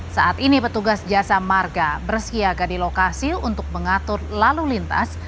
saat ini petugas jasa marga bersiaga di lokasi untuk mengatur lalu lintas